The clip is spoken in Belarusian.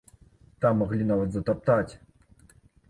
Там маглі нават затаптаць.